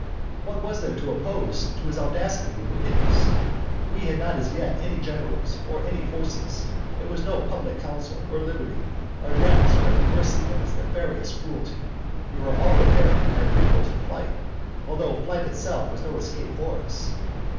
What was there to oppose to his audacity and wickedness? We had not as yet any generals, or any forces. There was no public council, no liberty; our necks were at the mercy of his nefarious cruelty; we were all preparing to have recourse to flight, though flight itself had no escape for us.